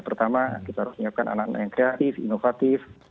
pertama kita harus menyiapkan anak anak yang kreatif inovatif